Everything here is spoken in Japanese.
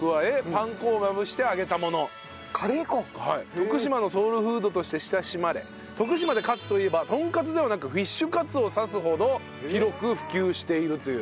徳島のソウルフードとして親しまれ徳島でカツといえばトンカツではなくフィッシュカツを指すほど広く普及しているという。